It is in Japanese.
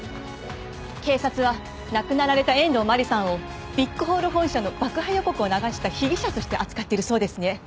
警察は亡くなられた遠藤真理さんをビッグホール本社の爆破予告を流した被疑者として扱っているそうですね。